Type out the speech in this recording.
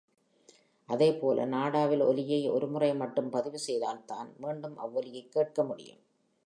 அதே போல, நாடாவில் ஒலியை ஒரு முறை மட்டும் பதிவு செய்தால் தான், மீண்டும் அவ்வொலியைக் கேட்க முடியும்.